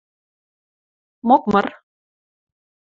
– Мокмыр?